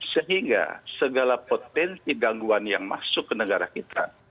sehingga segala potensi gangguan yang masuk ke negara kita